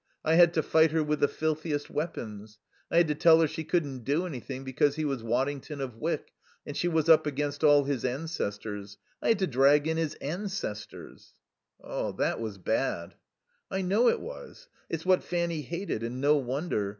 I had to fight her with the filthiest weapons. I had to tell her she couldn't do anything because he was Waddington of Wyck, and she was up against all his ancestors. I had to drag in his ancestors." "That was bad." "I know it was. It's what Fanny hated. And no wonder.